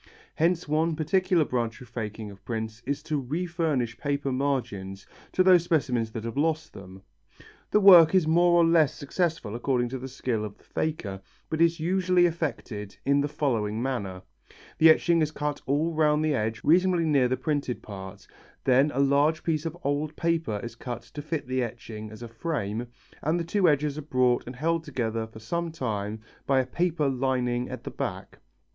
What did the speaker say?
Hence one particular branch of faking of the prints is to refurnish paper margins to those specimens that have lost them. The work is more or less successful according to the skill of the faker, but is usually effected in the following manner: The etching is cut all round the edge reasonably near the printed part, then a large piece of old paper is cut to fit the etching as a frame and the two edges are brought and held together for some time by a paper lining at the back.